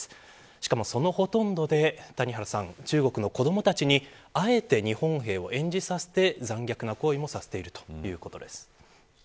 しかも、そのほとんどで中国の子どもたちにあえて日本兵を演じさせて残虐な行為もさせているということです。